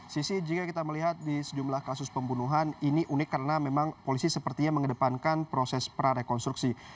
sisi jika kita melihat di sejumlah kasus pembunuhan ini unik karena memang polisi sepertinya mengedepankan proses prarekonstruksi